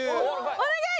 お願い！